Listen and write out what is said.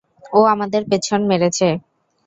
ও আমাদের পেছন মেরেছে।